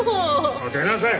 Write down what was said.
出なさい。